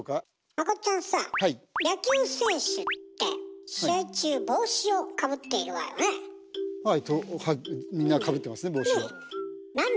まこっちゃんさはいはいみんなかぶってますね帽子を。